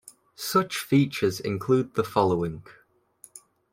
Such features include the following.